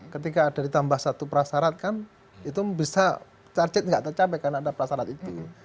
ketika ada ditambah satu prasarat kan itu bisa target nggak tercapai karena ada prasarat itu